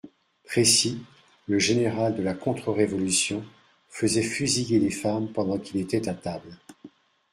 Précy, le général de la contre-révolution, faisait fusiller des femmes pendant qu'il était à table.